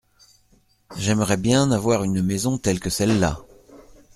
J’aimerais bien avoir une maison telle que celle-là.